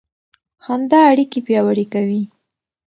خندا اړیکې پیاوړې کوي.